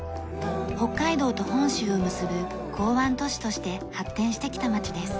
北海道と本州を結ぶ港湾都市として発展してきた町です。